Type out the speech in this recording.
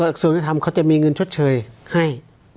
คิดว่าถ้าเราไม่ทำเขาจะมีเงินชดเชยให้